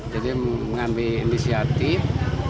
jadi mengambil inisiatif